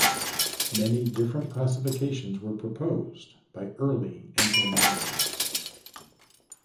Many different classifications were proposed by early entomologists.